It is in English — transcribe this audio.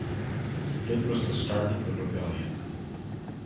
It was the start of the rebellion.